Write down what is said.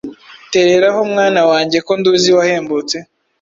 tereraho mwana wange ko nduzi wahembutse,